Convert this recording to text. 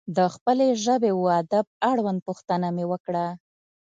د خپلې ژبې و ادب اړوند پوښتنه مې وکړه.